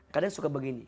kadang suka begini